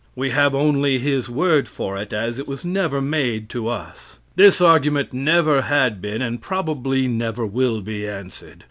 We have only his word for it, as it was never made to us. This argument never had been, and probably never will be answered.